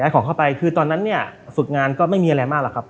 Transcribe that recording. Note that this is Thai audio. ของเข้าไปคือตอนนั้นเนี่ยฝึกงานก็ไม่มีอะไรมากหรอกครับ